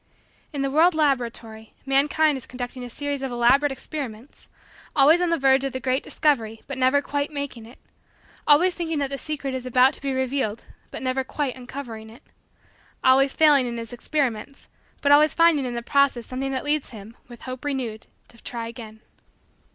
In the world laboratory, mankind is conducting a series of elaborate experiments always on the verge of the great discovery but never quite making it always thinking that the secret is about to be revealed but never quite uncovering it always failing in his experiments but always finding in the process something that leads him, with hope renewed, to try again.